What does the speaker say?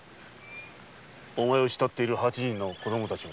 お前を慕っている八人の子供たちをだ。